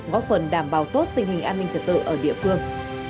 góp phần đảm bảo tốt tình hình an ninh trật tự ở địa phương